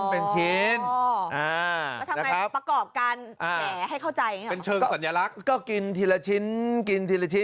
ทำให้ประกอบการแฉให้เข้าใจ